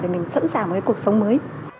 để mình sẵn sàng một cuộc sống mới